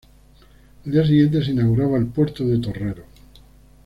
Al día siguiente se inauguraba el Puerto de Torrero.